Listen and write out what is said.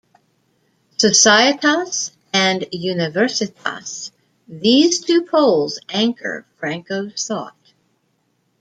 "Societas" and "universitas": These two poles anchor Franco's thought.